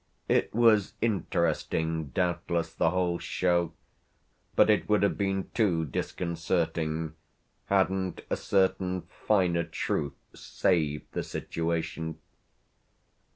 It was interesting, doubtless, the whole show, but it would have been too disconcerting hadn't a certain finer truth saved the situation.